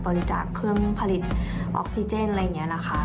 บริจาคเครื่องผลิตออกซิเจนอะไรอย่างนี้นะคะ